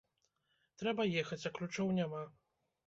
Трэба ехаць, а ключоў няма.